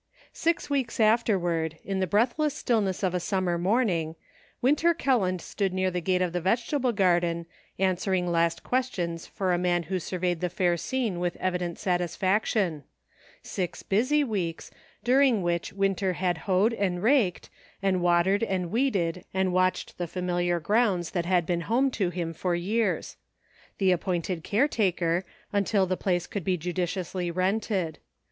SIX weeks afterward, in the breathless stillness of a summer morning, Winter Kelland stood near the gate of the vegetable garden, answering last questions for a man who surveyed the fair scene with evident satisfaction ; six busy weeks, during which Winter had hoed and raked, and watered and weeded and watched the familiar grounds that had been home to him for years ; the appointed care taker, until the place could be judiciously rented.